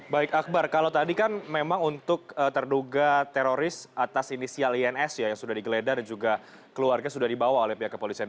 baik akbar kalau tadi kan memang untuk terduga teroris atas inisial ins yang sudah digeledah dan juga keluarga sudah dibawa oleh pihak kepolisian